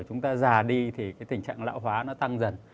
chúng ta già đi thì cái tình trạng lão hóa nó tăng dần